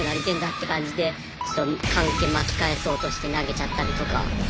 って感じでちょっと関係巻き返そうとして投げちゃったりとか。